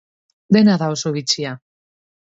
Dena da oso bitxia.